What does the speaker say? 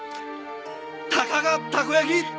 たかがたこ焼き！